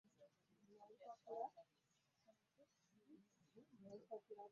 Bayambako abatalina busobozi okusoma